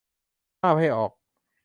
ห้ามให้ออก